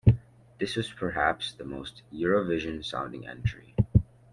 This was perhaps the most 'Eurovision' sounding entry.